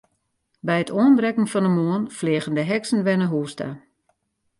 By it oanbrekken fan de moarn fleagen de heksen wer nei hús ta.